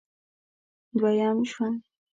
دوه یم ژوند